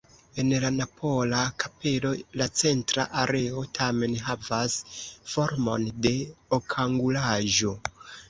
En la napola kapelo la centra areo tamen havas formon de okangulaĵo.